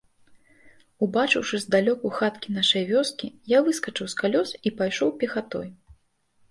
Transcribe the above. Убачыўшы здалёку хаткі нашай вёскі, я выскачыў з калёс і пайшоў пехатой.